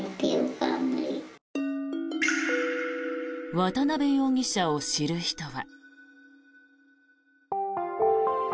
渡邉容疑者を知る人は。